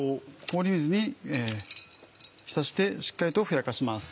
氷水に浸してしっかりとふやかします。